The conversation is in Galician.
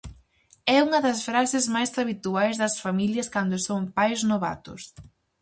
É unha das frases máis habituais das familias cando son pais novatos.